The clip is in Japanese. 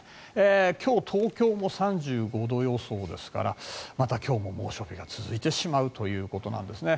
今日、東京も３５度予想ですからまた今日も猛暑日が続いてしまうということです。